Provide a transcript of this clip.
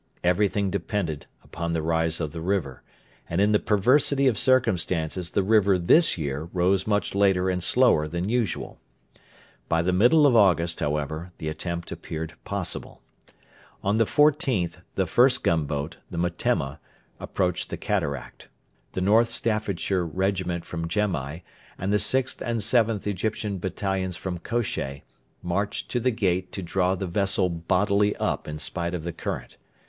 Everything depended upon the rise of the river, and in the perversity of circumstances the river this year rose much later and slower than usual. By the middle of August, however, the attempt appeared possible. On the 14th the first gunboat, the Metemma, approached the Cataract. The North Staffordshire Regiment from Gemai, and the 6th and 7th Egyptian Battalions from Kosheh, marched to the 'Gate' to draw the vessel bodily up in spite of the current.